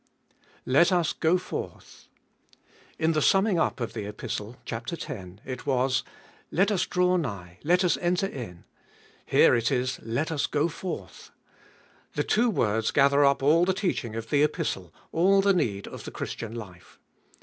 Let US go forth. In the summing up of the Epistle (chap, x.) it was, Let us draw nigh, let us enter in ; here it is, Let us go forth. The two words gather up all the teaching of the Epistb all the need of the Christian life.